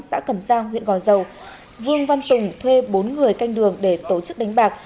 xã cẩm giang huyện gò dầu vương văn tùng thuê bốn người canh đường để tổ chức đánh bạc